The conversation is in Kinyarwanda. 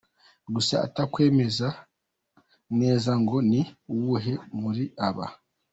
Gusa atakwemeza neza ngo ni uwuhe muri aba.